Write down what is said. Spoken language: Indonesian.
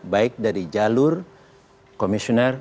baik dari jalur komisioner